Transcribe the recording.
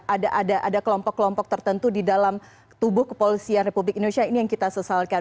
ada kelompok kelompok tertentu di dalam tubuh kepolisian republik indonesia ini yang kita sesalkan